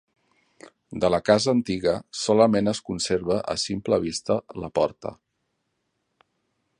De la casa antiga solament es conserva a simple vista la porta.